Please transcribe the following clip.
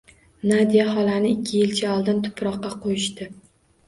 Nadya xolani ikki yilcha oldin tuproqqa qo`yishdi